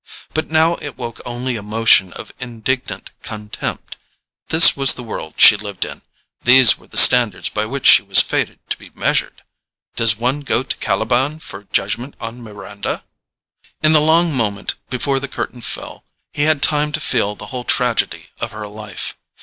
But now it woke only a motion of indignant contempt. This was the world she lived in, these were the standards by which she was fated to be measured! Does one go to Caliban for a judgment on Miranda? In the long moment before the curtain fell, he had time to feel the whole tragedy of her life.